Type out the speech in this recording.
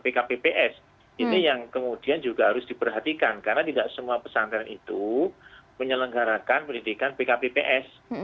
ini yang kemudian juga harus diperhatikan karena tidak semua pesantren itu menyelenggarakan pendidikan pkpps